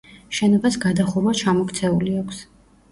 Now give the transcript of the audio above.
შენობას გადახურვა ჩამოქცეული აქვს.